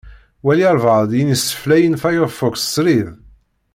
Wali albaɛḍ i yesneflayen Firefox srid.